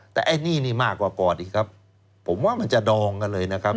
แต่ไอ้นี่นี่มากกว่าก่อนอีกครับผมว่ามันจะดองกันเลยนะครับ